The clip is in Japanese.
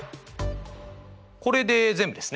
これで全部ですね。